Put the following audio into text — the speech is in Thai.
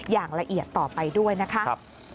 อย่างละเอียดต่อไปด้วยนะคะ